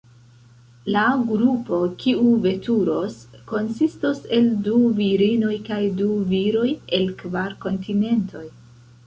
La grupo, kiu veturos, konsistos el du virinoj kaj du viroj, el kvar kontinentoj.